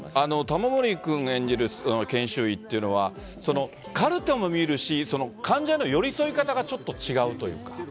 玉森君演じる研修医というのは、カルテも見るし、患者の寄り添い方がちょっと違うというか。